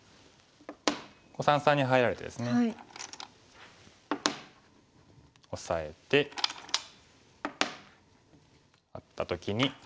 三々に入られてですねオサえてなった時に。